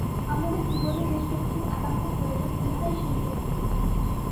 আমাদের জীবনে যে-শক্তির একান্ত প্রয়োজন, ইহাই সেই শক্তি।